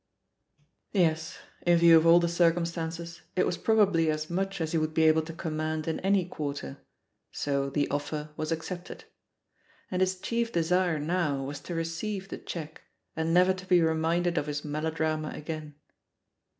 Yes, in view of all the circumstances, it was probably as much as he would be able to com mand in any quarter, so the offer was accepted. And his chief desire now was to receive the cheque and never to be reminded of his melo drama again.